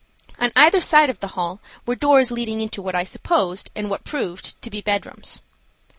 On either side of the hall were doors leading into what I supposed and what proved to be bedrooms.